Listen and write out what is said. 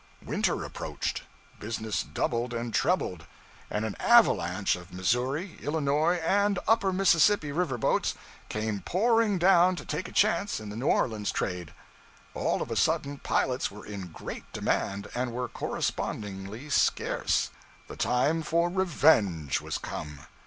Winter approached, business doubled and trebled, and an avalanche of Missouri, Illinois and Upper Mississippi River boats came pouring down to take a chance in the New Orleans trade. All of a sudden pilots were in great demand, and were correspondingly scarce. The time for revenge was come.